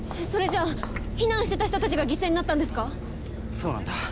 そうなんだ。